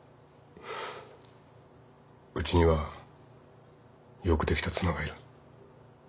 うちにはよくできた妻がいる。